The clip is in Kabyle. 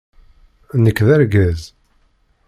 Nekk d argaz.